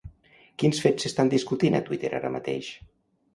Quins fets s'estan discutint a Twitter ara mateix?